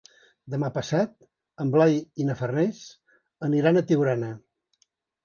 Demà passat en Blai i na Farners aniran a Tiurana.